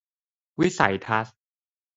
วิสัยทัศน์